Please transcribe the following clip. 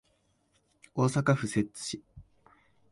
大阪府摂津市